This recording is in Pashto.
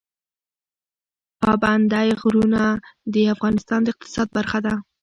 پابندی غرونه د افغانستان د اقتصاد برخه ده.